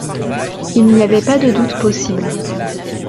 Il n’y avait pas de doute possible